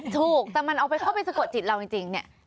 ถูกแต่มันเอาไปเข้าไปสะกดจิตเราจริงเนี่ย